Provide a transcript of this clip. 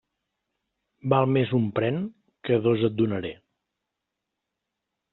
Val més un pren que dos et donaré.